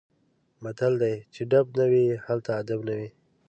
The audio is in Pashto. متل دی: چې ډب نه وي هلته ادب نه وي.